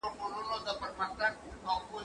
قلمان د زده کوونکي له خوا پاکيږي!؟